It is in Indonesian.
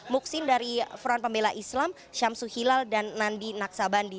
muksin dari front pembela islam syamsul hilal dan nandi naksabandi